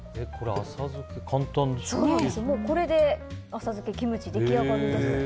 これで浅漬けキムチが出来上がりますよね。